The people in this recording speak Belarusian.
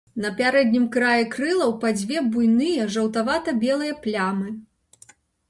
На пярэднім краі крылаў па дзве буйныя жаўтавата-белыя плямы.